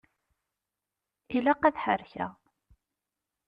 Ilaq ad ḥerrkeɣ.